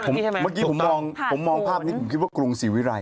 เมื่อกี้ผมมองผมมองภาพนี้ผมคิดว่ากรุงศรีวิรัย